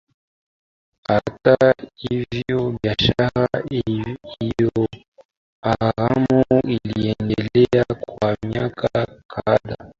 Hata hivyo biashara hiyo haramu iliendelea kwa miaka kadhaa